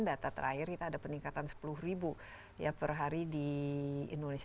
data terakhir kita ada peningkatan sepuluh ribu per hari di indonesia